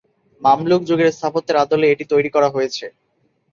মামলুক-যুগের স্থাপত্যের আদলে এটি তৈরি করা হয়েছে।